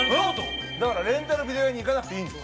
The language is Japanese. だからレンタルビデオ屋に行かなくていいんです。